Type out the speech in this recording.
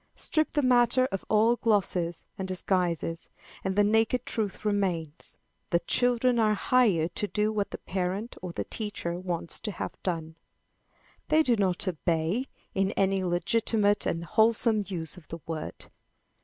Strip the matter of all glosses and disguises, and the naked truth remains, that children are hired to do what the parent or the teacher wants to have done. They do not obey, in any legitimate and wholesome use of the word.